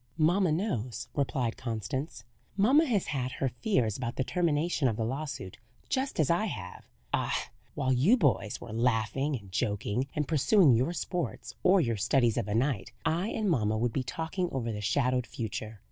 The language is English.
"Mamma knows," replied Constance. "Mamma has had her fears about the termination of the lawsuit, just as I have. Ah! while you boys were laughing and joking, and pursuing your sports or your studies of a night, I and mamma would be talking over the shadowed future.